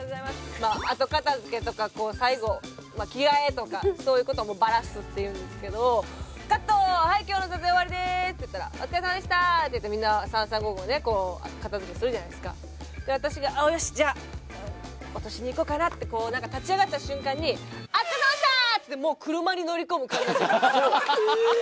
まあ後片づけとか最後着替えとかそういうことをバラすっていうんですけどカットはい今日の撮影終わりですって言ったらお疲れさまでしたって言ってみんな三々五々ね片づけするじゃないですかで私がよしじゃあ落としに行こうかなって立ち上がった瞬間にお疲れさまでしたーってもう車に乗り込む環奈ちゃんがええ！